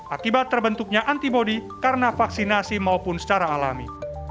akibat terbentuknya antibody karena vaksinasi maupun secara alami